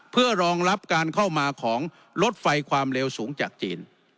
เพื่อรองรับการเข้ามาของรถไฟความเร็วสูงจากจีน